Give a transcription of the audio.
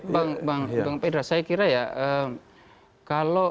bang pedra saya kira ya